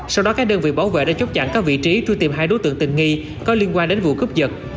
sau đó các đơn vị bảo vệ đã chốt chặn các vị trí truy tìm hai đối tượng tình nghi có liên quan đến vụ cướp giật